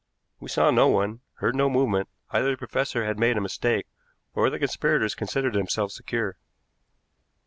We saw no one, heard no movement; either the professor had made a mistake or the conspirators considered themselves secure.